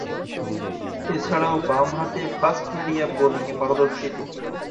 এছাড়াও, বামহাতে fast medium বোলিংয়ে পারদর্শী তিনি।